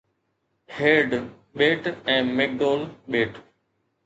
herd ٻيٽ ۽ ميڪ ڊول ٻيٽ